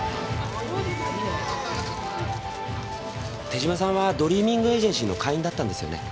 手島さんはドリーミングエージェンシーの会員だったんですよね？